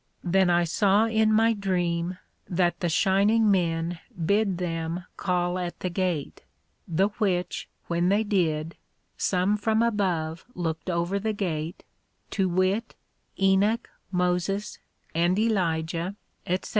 Then I saw in my Dream, that the Shining Men bid them call at the Gate; the which when they did, some from above looked over the Gate, to wit, Enoch, Moses, and Elijah, &c.